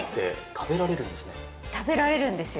食べられるんですよ。